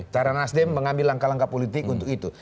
cara nasdem mengambil langkah langkah politik untuk itu